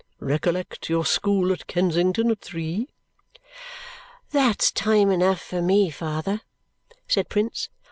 Recollect your school at Kensington at three." "That's time enough for me, father," said Prince.